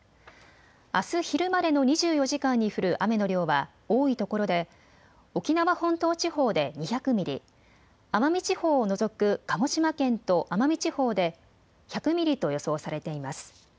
あす昼までの２４時間に降る雨の量は多いところで沖縄本島地方で２００ミリ、奄美地方を除く鹿児島県と奄美地方で１００ミリと予想されています。